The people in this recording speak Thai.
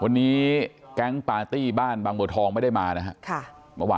วันนี้แก๊งปาร์ตี้บ้านบางบัวทองไม่ได้มานะครับ